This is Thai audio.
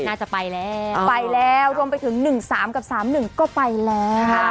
น่าจะไปแล้วไปแล้วรวมไปถึง๑๓กับ๓๑ก็ไปแล้ว